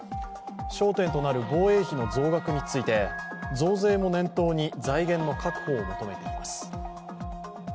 焦点となる防衛費の増額について、増税も念頭に財源の確保を求めています。